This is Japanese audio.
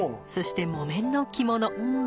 そして木綿の着物。